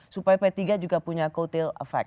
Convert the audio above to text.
supaya p tiga juga punya co tail effect